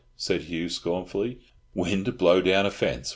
said Hugh scornfully. "Wind blow down a fence!